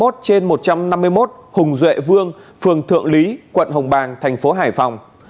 trên một trăm năm mươi một hùng duệ vương phường thượng lý quận hồng bàng thành phố hải phòng